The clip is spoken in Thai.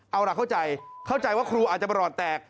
เอาล่ะเข้าใจเข้าใจว่าครูอาจจะประหลอดแตก